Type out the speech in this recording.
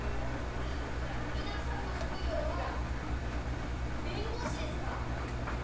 皆さんの職業は弁護士ですか？